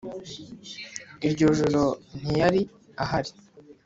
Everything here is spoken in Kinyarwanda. iryo joro ntiyari ihari,